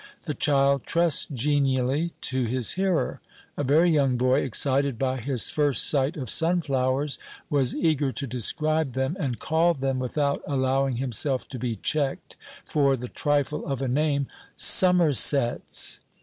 The child trusts genially to his hearer. A very young boy, excited by his first sight of sunflowers, was eager to describe them, and called them, without allowing himself to be checked for the trifle of a name, "summersets."